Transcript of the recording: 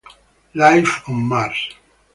Life on Mars